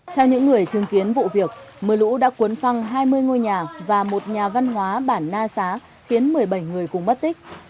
theo những người chứng kiến vụ việc mưa lũ đã cuốn phăng hai mươi ngôi nhà và một nhà văn hóa bản na xá khiến một mươi bảy người cùng mất tích